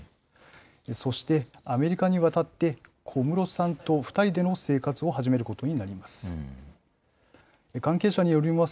そして、アメリカに渡って、小室さんと２人での生活を始めることになります。